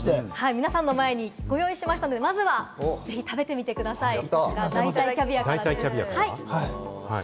皆さんの前に用意しましたので、まずはぜひ食べてみてください、代替キャビア。